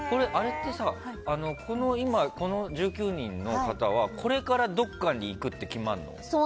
この１９人の方はこれからどこかに行くって決まるの？